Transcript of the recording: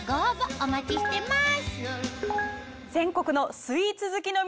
お待ちしてます